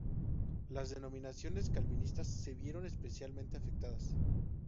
Las denominaciones calvinistas se vieron especialmente afectadas.